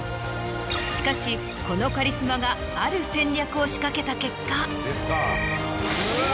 しかしこのカリスマがある戦略を仕掛けた結果。